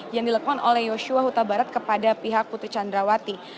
yang dilakukan oleh yosua huta barat kepada pihak putri candrawati